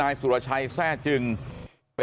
วันนี้เราจะมาเมื่อไหร่